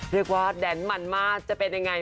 เรียกว่าแดนมันมากจะเป็นยังไง